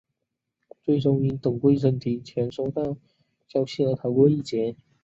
最终因董桂森提前收到消息而逃过一劫。